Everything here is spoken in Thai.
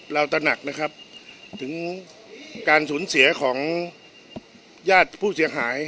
ตระหนักนะครับถึงการสูญเสียของญาติผู้เสียหาย